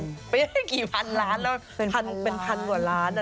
ไม่ได้กี่พันล้านเป็นพันกว่าล้าน